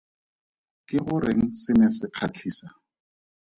Ke goreng se ne se kgatlhisa?